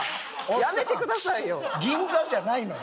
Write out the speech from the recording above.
やめてくださいよ！